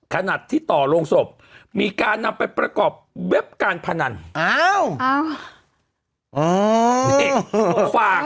ขนาดที่ต่อโรงศพมีการนำไปประกอบเว็บการพนัน